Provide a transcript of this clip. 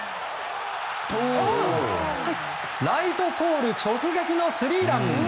ライトポール直撃のスリーラン！